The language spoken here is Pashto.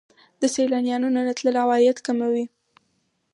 د سیلانیانو نه راتلل عواید کموي.